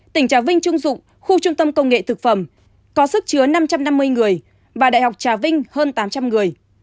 tỉnh trà vinh trung dụng khu trung tâm công nghệ thực phẩm có sức chứa năm trăm năm mươi người và đại học trà vinh hơn tám trăm linh người